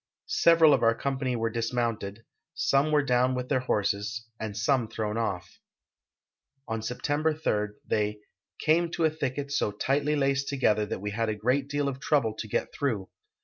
Several of our com})any were dismounted, some were down with their horses, and some thrown off." On September 3 they " came to a thicket so tightly laced together that we had a great deal of trouble to get through.